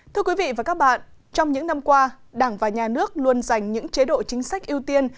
thưa quý vị và các bạn trong những năm qua đảng và nhà nước luôn dành những chế độ chính sách ưu tiên